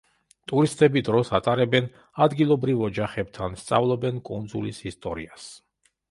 ტურისტები დროს ატარებენ ადგილობრივ ოჯახებთან, სწავლობენ კუნძულის ისტორიას.